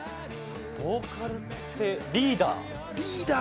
ボーカルってリーダー？